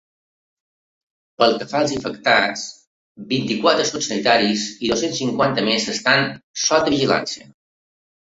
Pel que fa als infectats, vint-i-quatre són sanitaris i dos-cents cinquanta més estan sota vigilància.